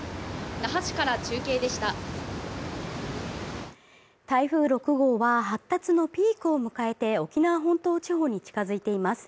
那覇市から中継でした台風６号は発達のピークを迎えて沖縄本島地方に近づいています